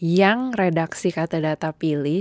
yang redaksi katadata pilih